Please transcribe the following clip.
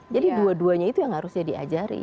jadi dua duanya itu yang harus diajari